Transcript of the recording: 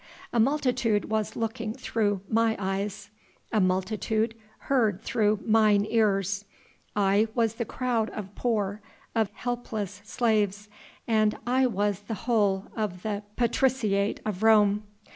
A multitude was looking through my eyes ... a multitude heard through mine ears ... I was the crowd of poor, of helpless slaves, and I was the whole of the patriciate of Rome.